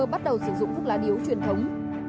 bắt đầu sử dụng thuốc lá điếu truyền thống